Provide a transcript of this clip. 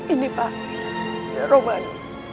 ini pak roman